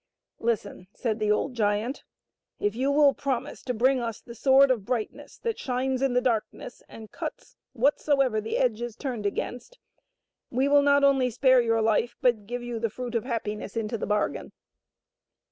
" Listen," said the old giant ;" if you will promise to bring us the Sword of Brightness that shines in the darkness apd cuts whatsoever the edge is turned against, we will not only spare your life, but give you the Fruit of Happiness into the bargain."